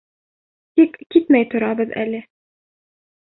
Тик китмәй торабыҙ әле.